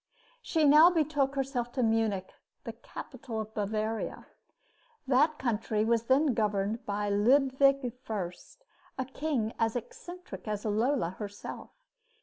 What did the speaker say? She now betook herself to Munich, the capital of Bavaria. That country was then governed by Ludwig I., a king as eccentric as Lola herself.